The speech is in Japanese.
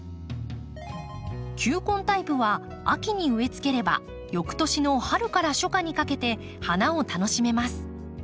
球根タイプは秋に植えつければ翌年の春から初夏にかけて花を楽しめます。